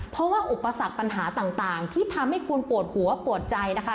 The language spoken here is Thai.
เพราะว่าอุปสรรคปัญหาต่างที่ทำให้คุณปวดหัวปวดใจนะคะ